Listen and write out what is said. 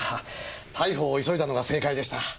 逮捕を急いだのが正解でした。